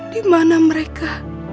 di mana mereka